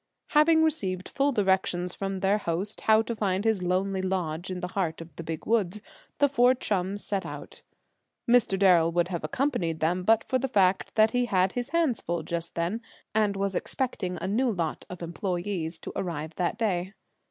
Having received full directions from their host how to find his lonely lodge in the heart of the Big Woods, the four chums set out. Mr. Darrel would have accompanied them but for the fact that he had his hands full just then, and was expecting a new lot of employees to arrive that day.